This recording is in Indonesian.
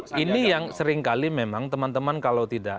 betul ini yang sering kali memang teman teman kalau tidak